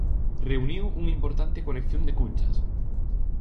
Reuniu unha importante colección de cunchas.